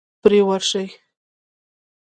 پرې ورشئ.